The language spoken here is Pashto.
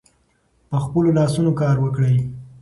په خپلو لاسونو کار وکړئ.